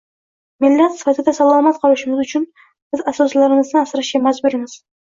Millat sifatida salomat qolishimiz uchun biz asoslarimizni asrashga majburmiz